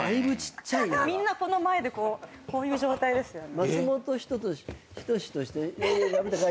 みんなこの前でこういう状態ですよね。